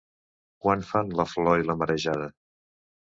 Quan fan La flor i la marejada?